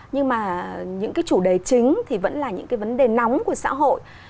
nhưng mà những chủ đề chính thì vẫn là những vấn đề nóng của xã hội